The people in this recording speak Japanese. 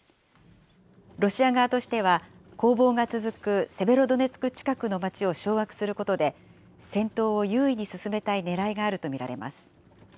ロシア側としては、攻防が続くセベロドネツク近くの街を掌握することで、戦闘を優位に進めたいねらいがあると見られます。